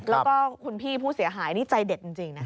แล้วก็คุณพี่ผู้เสียหายนี่ใจเด็ดจริงนะคะ